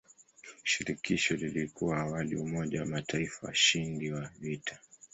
Shirikisho lilikuwa awali umoja wa mataifa washindi wa vita.